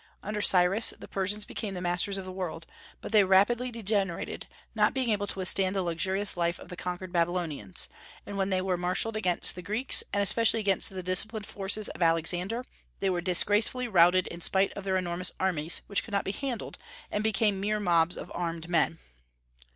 Under Cyrus, the Persians became the masters of the world, but they rapidly degenerated, not being able to withstand the luxurious life of the conquered Babylonians; and when they were marshalled against the Greeks, and especially against the disciplined forces of Alexander, they were disgracefully routed in spite of their enormous armies, which could not be handled, and became mere mobs of armed men.